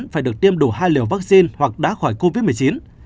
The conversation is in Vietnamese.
phải được tiêm đủ hai liều vaccine hoặc đã khỏi covid một mươi chín